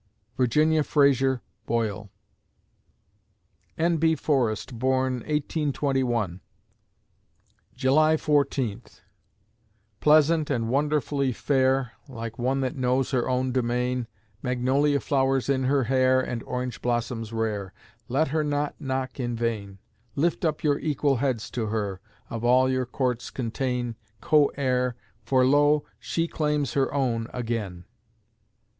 VIRGINIA FRAZER BOYLE N. B. Forrest born, 1821 July Fourteenth Pleasant and wonderfully fair, Like one that knows her own domain, Magnolia flowers in her hair, And orange blossoms rare, Let her not knock in vain! Lift up your equal heads to her, Of all your courts contain, co heir, For lo! she claims her own again!